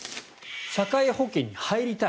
社会保険に入りたい。